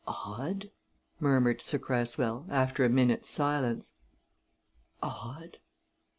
"Odd!" murmured Sir Cresswell, after a minute's silence. "Odd!